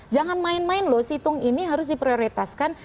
jangan main main loh situng ini harus diprioritaskan